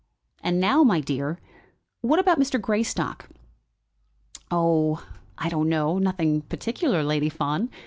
"And now, my dear, what about Mr. Greystock?" "Oh, I don't know; nothing particular, Lady Fawn.